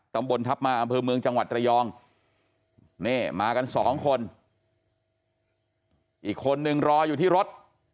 ตำบลทัพมาอำเภอเมืองจังหวัดระยองนี่มากันสองคนอีกคนนึงรออยู่ที่รถ